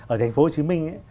ở thành phố hồ chí minh